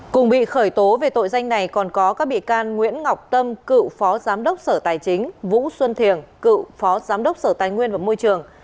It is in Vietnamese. cùng bị khởi tố về tội danh này còn có các bị can nguyễn ngọc tâm cựu phó giám đốc sở tài chính vũ xuân thiềng cựu phó giám đốc sở tài nguyên và môi trường